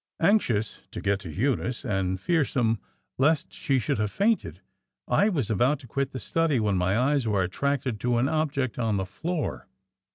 Anxious to get to Eunice and fearsome lest she should have fainted, I was about to quit the study, when my eyes were attracted to an object on the floor.